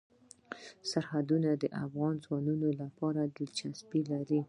سرحدونه د افغان ځوانانو لپاره دلچسپي لري.